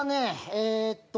えっと